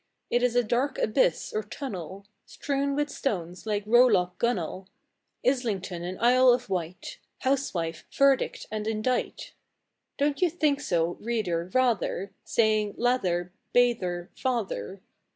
It's a dark abyss or tunnel, Strewn with stones, like rowlock, gunwale, Islington and Isle of Wight, Housewife, verdict and indict! Don't you think so, reader, rather, Saying lather, bather, father?